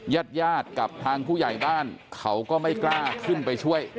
ญาติญาติกับทางผู้ใหญ่บ้านเขาก็ไม่กล้าขึ้นไปช่วย